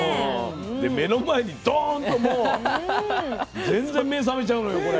で目の前にドンともう全然目覚めちゃうのよこれ。